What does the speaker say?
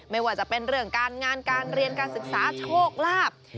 ไม่ว่าจะเป็นเรื่องการงานการเรียนการศึกษาโชคลาภ